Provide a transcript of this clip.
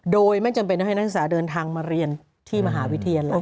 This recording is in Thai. โดยไม่จำเป็นต้องให้นักศึกษาเดินทางมาเรียนที่มหาวิทยาลัย